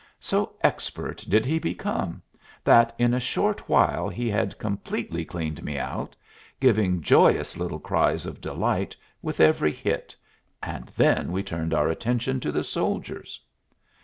So expert did he become that in a short while he had completely cleaned me out, giving joyous little cries of delight with every hit, and then we turned our attention to the soldiers.